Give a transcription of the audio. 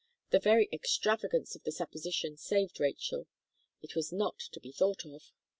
The very extravagance of the supposition saved Rachel It was not to be thought of.